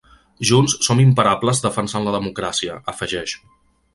Junts som imparables defensant la democràcia, afegeix.